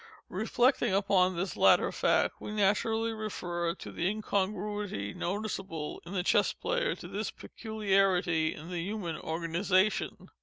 Reflecting upon this latter fact, we naturally refer the incongruity noticeable in the Chess Player to this peculiarity in the human organization.